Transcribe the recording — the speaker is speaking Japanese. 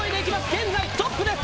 現在トップです！